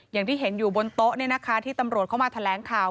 อย่างที่เห็นอยู่บนโต๊ะที่ตำรวจเข้ามาแถลงข่าว